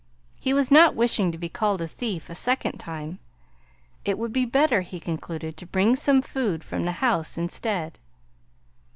He was not wishing to be called a thief a second time. It would be better, he concluded, to bring some food from the house instead.